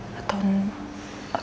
lagi lagi gue mau